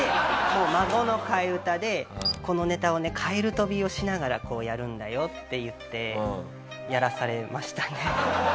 『孫』の替え歌で「このネタをねカエル跳びをしながらこうやるんだよ」っていってやらされましたね。